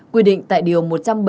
quy định tại điều một trăm bảy mươi bốn